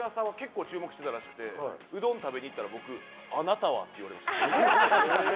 大阪のうどん屋さんは注目してたらしくて、うどんを食べに行ったら、僕、あなたは？って言われました。